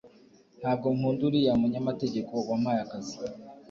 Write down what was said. Ntabwo nkunda uriya munyamategeko wampaye akazi